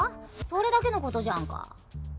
それだけのことじゃんか。